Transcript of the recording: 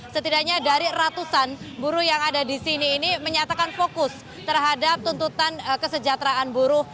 setidaknya dari ratusan buruh yang ada di sini ini menyatakan fokus terhadap tuntutan kesejahteraan buruh